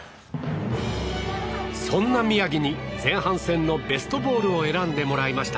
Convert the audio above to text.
そんな宮城に前半戦のベストボールを選んでもらいました。